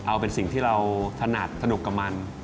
เอาเป็นสิ่งที่เราถนัดสนุกกับมัน